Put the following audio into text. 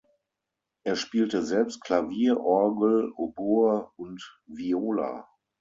Er spielte selbst Klavier, Orgel, Oboe und Viola.